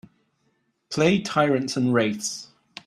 Play Tyrants And Wraiths